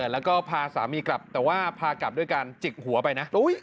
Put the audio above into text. แล้วก็พาสามีกลับแต่ว่าพากลับด้วยการจิกหัวไปนะ